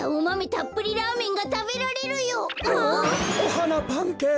おはなパンケーキだよ。